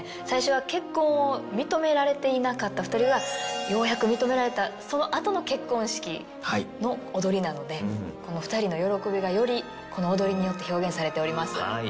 最初は結婚を認められていなかった２人がようやく認められたそのあとの結婚式の踊りなのでこの２人の喜びがよりこの踊りによって表現されております。